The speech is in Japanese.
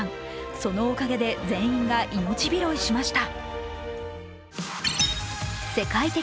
そのおかげで全員が命拾いしました。